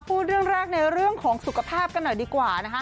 พูดเรื่องแรกในเรื่องศักดิ์สุขภาพกันหน่อยดีกว่า